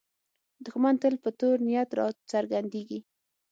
دښمن تل په تور نیت راڅرګندېږي